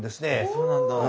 そうなんだ。